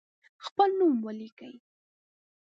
خپل نوم ولیکئ.